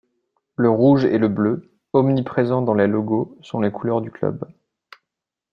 Le rouge et le bleu, omniprésents dans les logos, sont les couleurs du club.